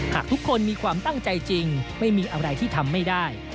หากทุกคนมีความตั้งใจจริงไม่มีอะไรที่ทำไม่ได้